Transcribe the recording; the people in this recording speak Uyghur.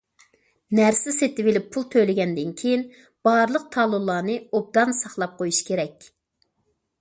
نەرسە سېتىۋېلىپ پۇل تۆلىگەندىن كېيىن، بارلىق تالونلارنى ئوبدان ساقلاپ قويۇش كېرەك.